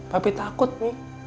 papi takut mi